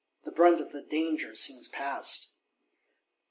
The brunt of the danger seems past!